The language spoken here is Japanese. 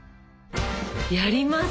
やります！